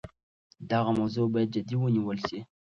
دغه موضوع باید جدي ونیول سي.